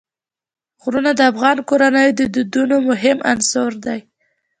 غرونه د افغان کورنیو د دودونو مهم عنصر دی.